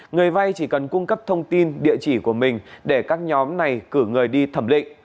người vay chỉ cần cung cấp thông tin địa chỉ của mình để các nhóm này cử người đi thẩm định